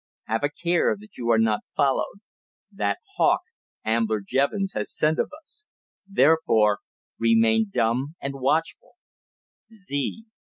Have a care that you are not followed. That hawk Ambler Jevons has scent of us. Therefore, remain dumb and watchful Z."